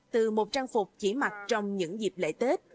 từ một trang phục chỉ mặc trong những dịp lễ tết